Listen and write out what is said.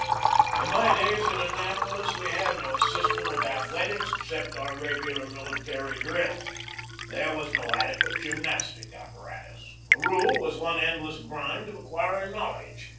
In my day at Annapolis we had no system of athletics except our regular military drill. There was no adequate gymnastic apparatus. The rule was one endless grind of acquiring knowledge.